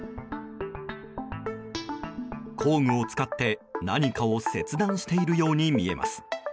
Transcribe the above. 工具を使って何かを切断しているように見えます。